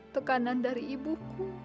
tekanan dari ibuku